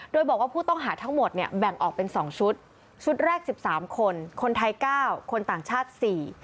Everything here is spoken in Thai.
โดยบอกว่าผู้ต้องหาทั้งหมดแบ่งออกเป็น๒ชุดชุดแรก๑๓คนคนไทย๙คนต่างชาติ๔